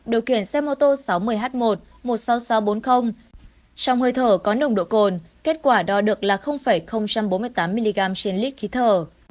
điều khiển xe mô tô sáu mươi h một một mươi sáu nghìn sáu trăm bốn mươi trong hơi thở có nồng độ cồn kết quả đo được là bốn mươi tám mg trên lít khí thở